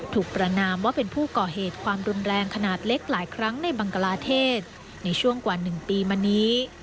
ประนามว่าเป็นผู้ก่อเหตุความรุนแรงขนาดเล็กหลายครั้งในบังกลาเทศในช่วงกว่า๑ปีมานี้